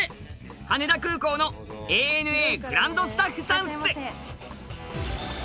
羽田空港のＡＮＡグランドスタッフさんっす。